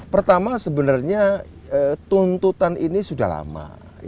pertama sebenarnya tuntutan ini sudah lama